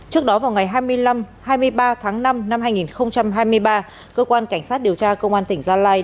trước đó vào ngày hai mươi năm hai mươi ba tháng năm năm hai nghìn hai mươi ba cơ quan cảnh sát điều tra công an tỉnh gia lai